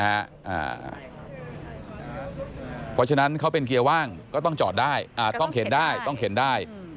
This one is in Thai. เพราะฉะนั้นเขาเป็นเกียร์ว่างก็ต้องจอดได้ต้องเข็นได้ต้องเข็นได้